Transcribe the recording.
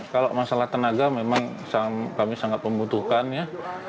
kalau masalah tenaga memang kami sangat membutuhkan ya